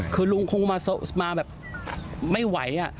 คือลุงคงมาแบบไม่ไหว